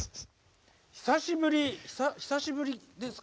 久しぶり久しぶりですか？